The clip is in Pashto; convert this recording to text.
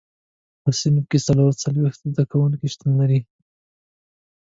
په صنف کې څلور څلوېښت زده کوونکي شتون لري.